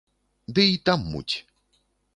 Ды й там муць.